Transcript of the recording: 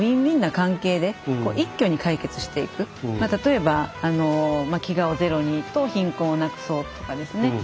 まあ例えば「飢餓をゼロに」と「貧困をなくそう」とかですね